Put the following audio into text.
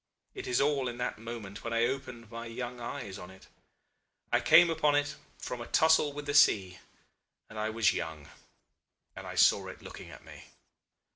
It is all in that moment when I opened my young eyes on it. I came upon it from a tussle with the sea and I was young and I saw it looking at me.